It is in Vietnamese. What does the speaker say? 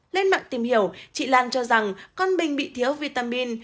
lên mạng tìm hiểu chị lan cho rằng con bình bị thiếu vitamin